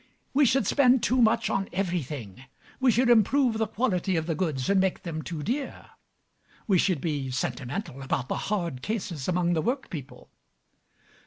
We should spend too much on everything. We should improve the quality of the goods and make them too dear. We should be sentimental about the hard cases among the work people.